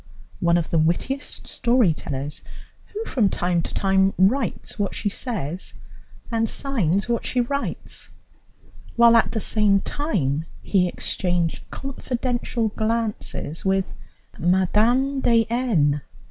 one of our wittiest story tellers, who from time to time writes what she says and signs what she writes, while at the same time he exchanged confidential glances with Mme. de N.